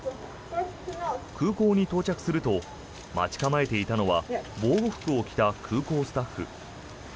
空港に到着すると待ち構えていたのは防護服を着た空港スタッフ。